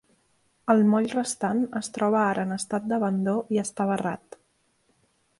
El moll restant es troba ara en estat d'abandó i està barrat.